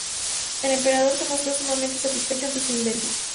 El emperador se mostró sumamente satisfecho ante su invento.